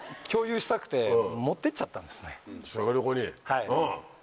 はい。